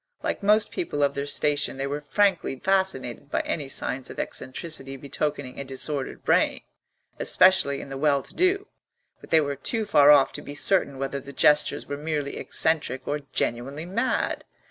Like most people of their station they were frankly fascinated by any signs of eccentricity betokening a disordered brain, especially in the well to do; but they were too far off to be certain whether the gestures were merely eccentric or genuinely mad.